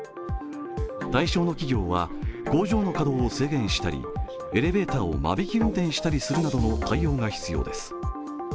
対象の企業は工場の稼働を制限したりエレベーターを間引き運転したりするなどの対応が必要です。